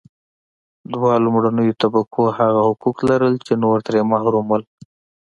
دوه لومړنیو طبقو هغه حقوق لرل چې نور ترې محروم وو.